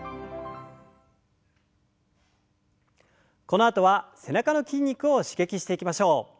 このあとは背中の筋肉を刺激していきましょう。